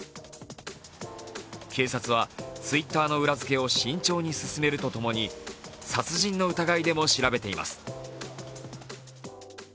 警察はＴｗｉｔｔｅｒの裏づけを慎重に進めるとともに殺人の疑いでも調べています。